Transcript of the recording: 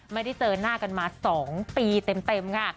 ไม่ได้เจอหน้ากันมา๒ปีเต็มค่ะ